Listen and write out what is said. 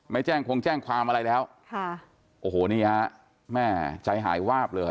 ไม่แจ้งคงแจ้งความอะไรแล้วค่ะโอ้โหนี่ฮะแม่ใจหายวาบเลย